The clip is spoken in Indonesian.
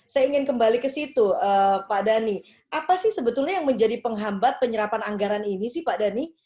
saya ingin kembali ke situ pak dhani apa sih sebetulnya yang menjadi penghambat penyerapan anggaran ini sih pak dhani